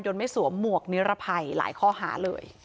ไม่สวมหมวกนิรภัยหลายข้อหาเลย